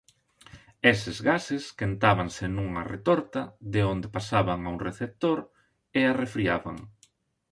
Eses gases quentábanse nunha retorta de onde pasaban a un receptor e arrefriaban.